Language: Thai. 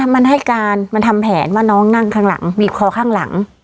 มันให้การมันทำแผนว่าน้องนั่งข้างหลังบีบคอข้างหลัง